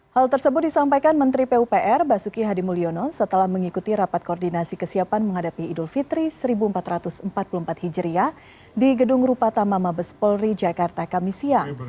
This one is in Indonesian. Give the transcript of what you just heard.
hal tersebut disampaikan menteri pupr basuki hadimulyono setelah mengikuti rapat koordinasi kesiapan menghadapi idul fitri seribu empat ratus empat puluh empat hijriah di gedung rupata mama mabes polri jakarta kamisia